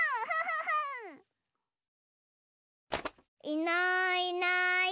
いないいない。